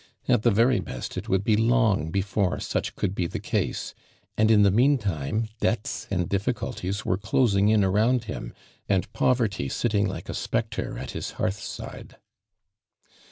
At the very best it would be long before such could be the case, and in the meantime debts and difficulties were closing in around him antl poverty sitting like a .spectre at his hearth side.